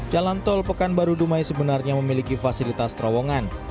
jalan tol pekanbaru dumai sebenarnya memiliki fasilitas terowongan